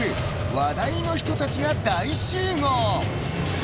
話題の人たちが大集合。